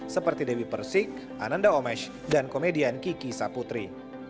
seperti dewi persik ananda omesh dan komedian kiki saputri